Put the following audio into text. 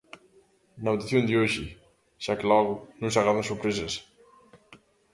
Na votación de hoxe, xa que logo, non se agardan sorpresas.